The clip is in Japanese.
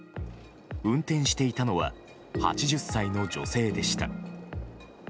運転していたのは８０歳の女性でした。